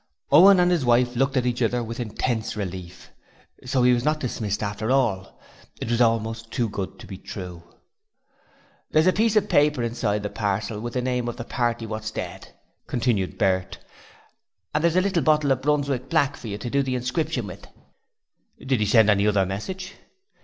Owen and his wife looked at each other with intense relief. So he was not to be dismissed after all. It was almost too good to be true. 'There's a piece of paper inside the parcel with the name of the party what's dead,' continued Bert, 'and here's a little bottle of Brunswick black for you to do the inscription with.' 'Did he send any other message?'